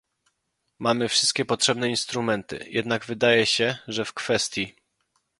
Mamy wszystkie potrzebne instrumenty, jednak wydaje się, że w kwestii